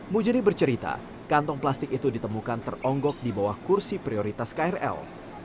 mujedi bercerita kantong plastik itu ditemukan teronggok di bawah kursi prioritas krl